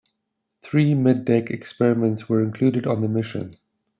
Three mid-deck experiments were included on the mission.